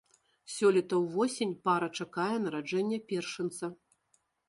Сёлета ўвосень пара чакае нараджэння першынца.